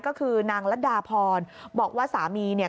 ก็คือนางรัฐดาพรบอกว่าสามีเนี่ย